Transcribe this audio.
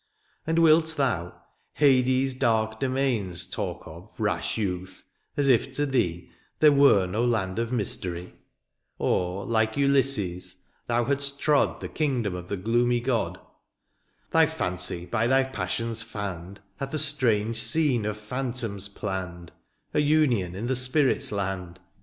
" And wilt thou, hades^ dark domains *' Talk of, rash youth, as if to thee " They were no land of mystery ?" Or, like Ulysses, thou hadst trod, *' The kingdom of the gloomy god. '^ Thy flEtncy, by thy passions fanned, *^ Hath a strange scene of phantoms planned, " A union in the spirit^s land